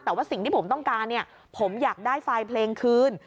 แต่ว่าสิ่งที่ผมต้องการเนี่ยผมอยากได้ไฟล์เพลงคืน